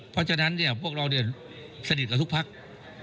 เพราะฉะนั้นเนี่ยพวกเราเนี่ยสนิทกับทุกภักดิ์